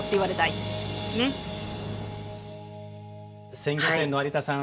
鮮魚店の有田さん